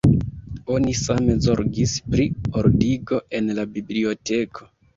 Oni same zorgis pri ordigo en la biblioteko.